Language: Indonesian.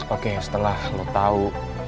oke setelah lo tau